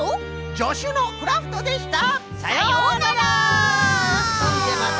じょしゅのクラフトでした！さようなら。